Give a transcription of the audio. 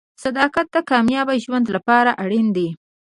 • صداقت د کامیاب ژوند لپاره اړین دی.